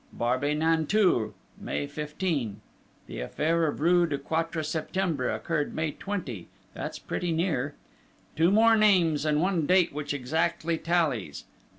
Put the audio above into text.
Barbey Nanteuil, May 15: the affair of rue du Quatre Septembre occurred May 20; that's pretty near. Two more names, and one date which exactly tallies.